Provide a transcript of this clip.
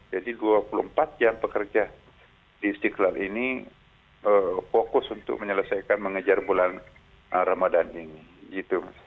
jadi dua puluh empat jam pekerja di istiqlal ini fokus untuk menyelesaikan mengejar bulan ramadan ini